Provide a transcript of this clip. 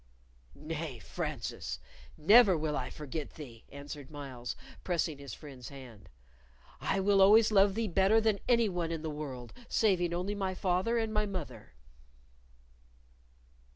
"Nay, Francis, never will I forget thee!" answered Myles, pressing his friend's hand. "I will always love thee better than any one in the world, saving only my father and my mother."